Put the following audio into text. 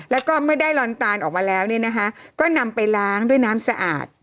แล้วก็เมื่อได้ลอนตาลออกมาแล้วเนี่ยนะคะก็นำไปล้างด้วยน้ำสะอาด